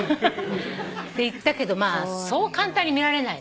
行ったけどそう簡単に見られないの。